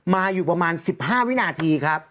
มาอยู่ประมาณ๑๕วินาทีครับ